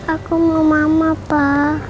aku mau mama pak